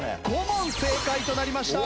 ５問正解となりました。